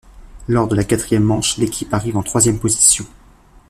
Lors de la quatrième manche, l'équipe arrive en troisième position.